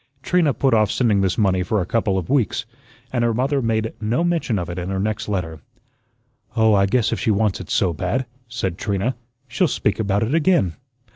Trina put off sending this money for a couple of weeks, and her mother made no mention of it in her next letter. "Oh, I guess if she wants it so bad," said Trina, "she'll speak about it again."